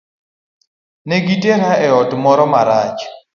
Negi tera e ot moro marach.